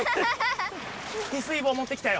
ヒスイ棒持ってきたよ！